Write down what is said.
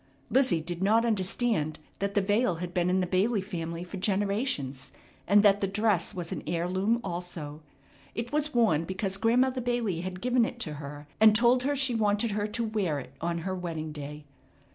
Lizzie did not understand that the veil had been in the Bailey family for generations, and that the dress was an heirloom also. It was worn because Grandmother Bailey had given it to her, and told her she wanted her to wear it on her wedding day.